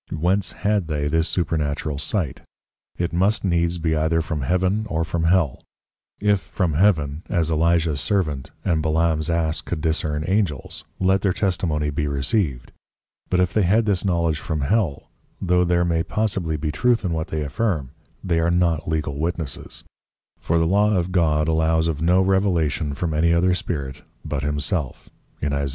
Whence had they this Supernatural Sight? It must needs be either from Heaven or from Hell: If from Heaven, (as Elisha's Servant, and Balaam's Ass could discern Angels) let their Testimony be received: But if they had this Knowledge from Hell, tho' there may possibly be truth in what they affirm, they are not legal Witnesses: For the Law of God allows of no Revelation from any other Spirit but himself, _Isa.